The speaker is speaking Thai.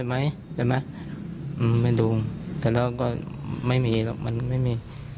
ไม่มีหรอกมันไม่มี